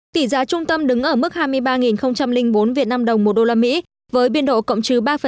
tỷ giá trung tâm đứng ở mức hai mươi ba bốn vnđ một đô la mỹ với biên độ cộng chứ ba